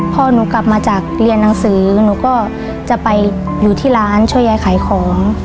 พอหนูกลับมาจากเรียนหนังสือหนูก็จะไปอยู่ที่ร้านช่วยยายขายของ